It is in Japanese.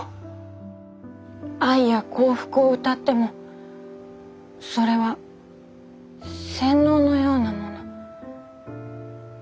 愛や幸福をうたってもそれは洗脳のようなもの。